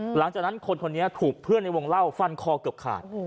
หลังจากนั้นคนคนนี้ถูกเพื่อนในวงเล่าฟันคอเกือบขาด